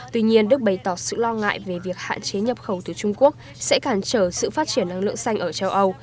tuy nhiên đức bày tỏ sự lo ngại về việc hạn chế nhập khẩu từ trung quốc sẽ cản trở sự phát triển năng lượng xanh ở châu âu